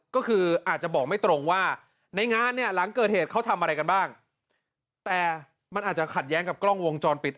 ก็คืออาจจะบอกไม่ตรงว่าในงานเนี่ยหลังเกิดเหตุเขาทำอะไรกันบ้างแต่มันอาจจะขัดแย้งกับกล้องวงจรปิด